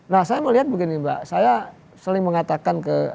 nah saya melihat begini mbak